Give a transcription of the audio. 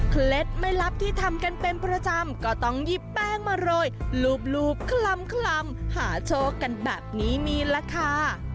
ไม่ลับที่ทำกันเป็นประจำก็ต้องหยิบแป้งมาโรยรูปคลำหาโชคกันแบบนี้มีล่ะค่ะ